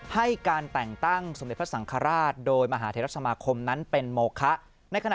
ให้การแต่งตั้งสมเด็จพระสังฆราชโดยมหาเทรสมาคมนั้นเป็นโมคะ